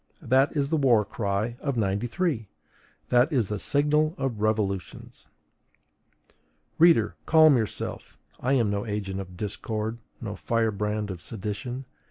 That is the war cry of '93! That is the signal of revolutions! Reader, calm yourself: I am no agent of discord, no firebrand of sedition.